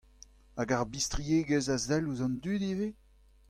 Hag ar bistriegezh a sell ouzh an dud ivez ?